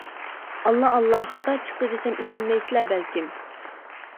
ئاللا ئاللا، خاتا چىقتى دېسەم ئىشەنمەيسىلەر بەلكىم.